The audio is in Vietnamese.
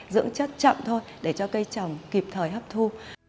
dưỡng chất chậm thôi để cho cây trồng kịp thời hấp thu